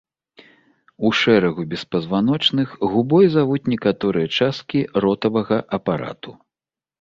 У шэрагу беспазваночных губой завуць некаторыя часткі ротавага апарату.